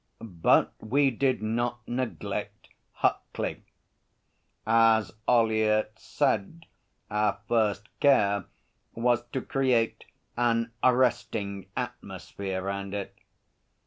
But we did not neglect Huckley. As Ollyett said our first care was to create an 'arresting atmosphere' round it.